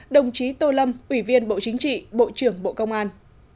đồng chí tô lâm ủy viên bộ chính trị bộ trưởng bộ công an